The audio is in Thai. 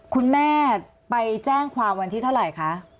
คุณแม่ไปแจ้งความวันที่เท่าไหร่คะ